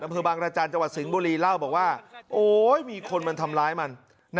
อำเภอบางรจันทร์จังหวัดสิงห์บุรีเล่าบอกว่าโอ๊ยมีคนมันทำร้ายมัน